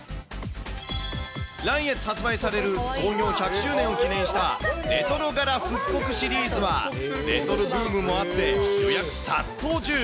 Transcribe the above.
来月発売される、創業１００周年を記念した、レトロ柄復刻シリーズは、レトロブームもあって、予約殺到中。